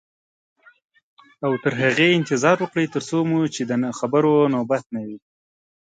او تر هغې انتظار وکړئ تر څو مو چې د خبرو نوبت نه وي.